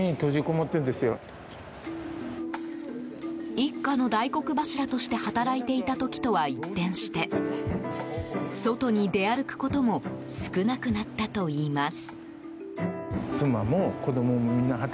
一家の大黒柱として働いていた時とは一転して外に出歩くことも少なくなったといいます。